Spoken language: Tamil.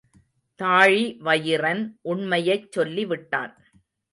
தாழிவயிறன் உண்மையைச் சொல்லிவிட்டான்.